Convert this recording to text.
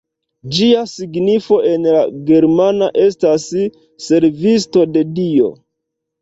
Ĝia signifo en la germana estas «servisto de Dio».